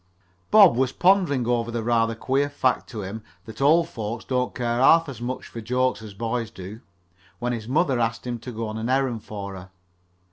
Bob was pondering over the rather queer fact to him that old folks don't care half as much for jokes as boys do, when his mother asked him to go on an errand for her.